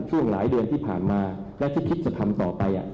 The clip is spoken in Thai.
ช่วงหลายเดือนที่ผ่านมาและที่คิดจะทำต่อไป